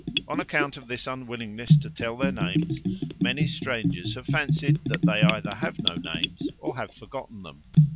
On account of this unwillingness to tell their names, many strangers have fancied that they either have no names or have forgotten them."